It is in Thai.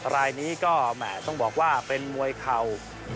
รายนี้ก็แหม่ต้องบอกว่าเป็นมวยเข่า